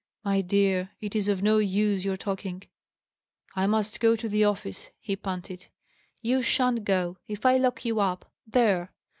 "My dear, it is of no use your talking; I must go to the office," he panted. "You shan't go if I lock you up! There!"